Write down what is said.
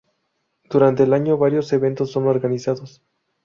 Durante el año varios eventos son organizados.